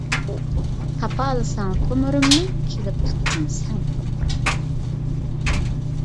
تاپالىساڭ تومۇرۇمنى، كېلىپ تۇتقىن سەن تومۇر.